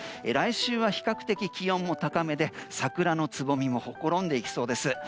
来週は比較的気温も高めで桜のつぼみもほころんでいきそうです。